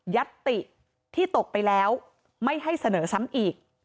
ัตติที่ตกไปแล้วไม่ให้เสนอซ้ำอีก